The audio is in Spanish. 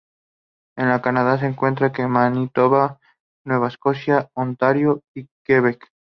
En Canadá se encuentra en Manitoba, Nueva Escocia, Ontario y Quebec.